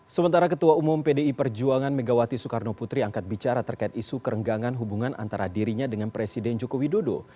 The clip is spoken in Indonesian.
sementara ketua umum pdi perjuangan megawati soekarno putri angkat bicara terkait isu kerenggangan hubungan antara dirinya dengan presiden joko widodo